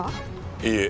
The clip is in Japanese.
いいえ。